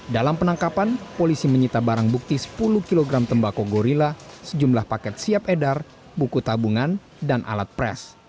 dalam penangkapan polisi menyita barang bukti sepuluh kg tembakau gorilla sejumlah paket siap edar buku tabungan dan alat pres